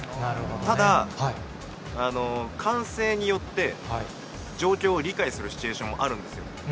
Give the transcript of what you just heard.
ただ、歓声によって、状況を理解するシチュエーションもあるんです。